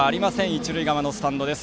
一塁側のスタンドです。